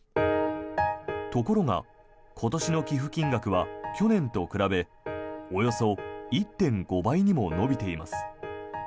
ところが、今年の寄付金額は去年と比べおよそ１．５倍にも伸びています。